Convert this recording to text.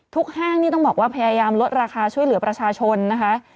ห้างนี่ต้องบอกว่าพยายามลดราคาช่วยเหลือประชาชนนะคะ